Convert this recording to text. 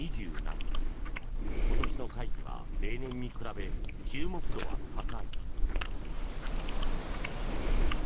今年の会議は例年に比べ注目度は高い。